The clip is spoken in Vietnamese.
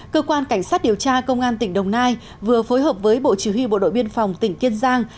cơ quan cảnh sát điều tra công an tỉnh đồng nai vừa phối hợp với bộ chỉ huy bộ đội biên phòng tỉnh kiên giang